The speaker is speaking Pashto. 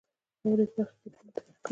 واورئ برخه کې جملې تایید کړئ.